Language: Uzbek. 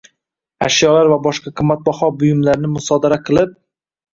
ashyolar va boshqa qimmatbaho buyumlarni musodara qilib